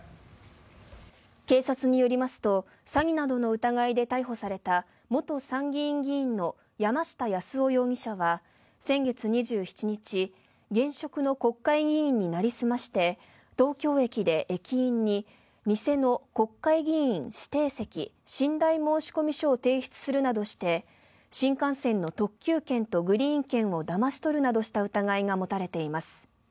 警察によりますと詐欺などの疑いで逮捕された元参議院議員の山下八洲夫容疑者は先月２７日現職の国会議員になりすまして東京駅で駅員に、偽の国会議員指定席・寝台申込書を提出するなどして新幹線の特急券とグリーン券をだまし取るなどした疑いが持たれています。